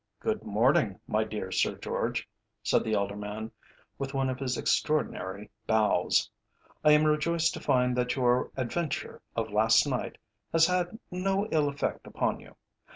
"Good morning, my dear Sir George," said the elder man, with one of his extraordinary bows. "I am rejoiced to find that your adventure of last night has had no ill effect upon you.